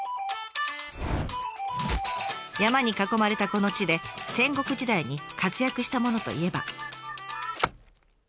山に囲まれたこの地で戦国時代に活躍したものといえば。